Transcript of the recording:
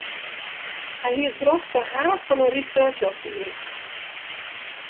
Hy hie it brocht ta haad fan in researchôfdieling.